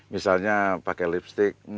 misalnya pakai lipstick